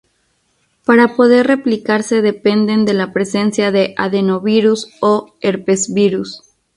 Para poder replicarse dependen de la presencia de adenovirus o herpesvirus.